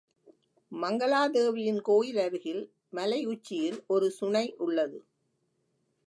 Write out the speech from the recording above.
மங்கலா தேவியின் கோயில் அருகில் மலை உச்சியில் ஒரு சுனை உள்ளது.